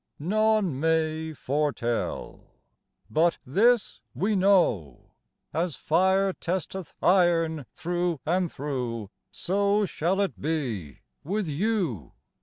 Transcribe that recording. None may foretell; But this we know: As fire testeth iron through and through, So shall it be with you!